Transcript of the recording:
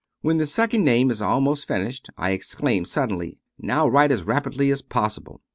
When the second name is almost finished I exclaim sud denly, " Now write as rapidly as possible